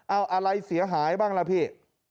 เอาอะไรเสียหายบ้างล่ะพี่